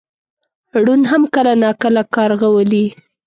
ړوند هم کله ناکله کارغه ولي .